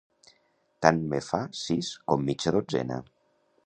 Tant me fa sis com mitja dotzena.